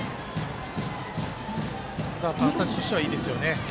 形としてはいいですよね。